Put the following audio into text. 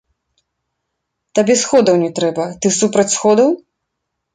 Табе сходаў не трэба, ты супроць сходаў?